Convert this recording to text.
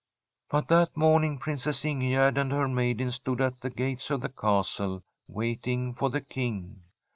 * But that morning Princess Ingegerd and her maidens stood at the gates of the castle waiting for the King.